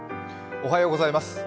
おはようございます。